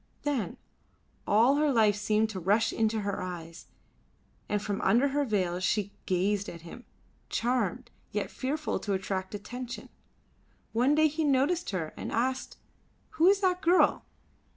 Then all her life seemed to rush into her eyes, and from under her veil she gazed at him, charmed, yet fearful to attract attention. One day he noticed her and asked, "Who is that girl?"